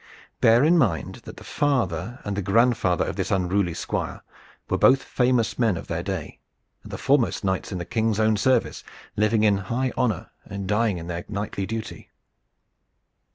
Bear in mind that the father and the grandfather of this unruly squire were both famous men of their day and the foremost knights in the King's own service, living in high honor and dying in their knightly duty.